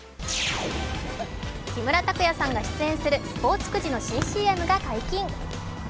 木村拓哉さんが出演するスポーツくじの新ＣＭが解禁。